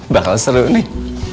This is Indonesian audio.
bakal seru nih